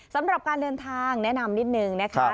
สำหรับการเดินทางแนะนำนิดนึงนะคะ